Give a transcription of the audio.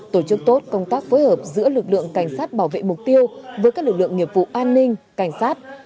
tổ chức tốt công tác phối hợp giữa lực lượng cảnh sát bảo vệ mục tiêu với các lực lượng nghiệp vụ an ninh cảnh sát